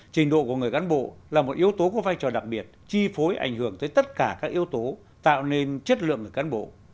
trình độ của người cán bộ là một yếu tố có vai trò đặc biệt chi phối ảnh hưởng tới tất cả các yếu tố tạo nên chất lượng người cán bộ